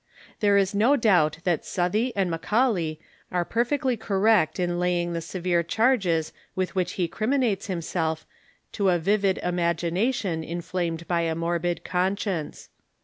There is no doubt that Southey and Macaulay are perfectly correct in laying the severe chai ges with which he criminates himself to a vivid imagination inflamed by a morbid conscience.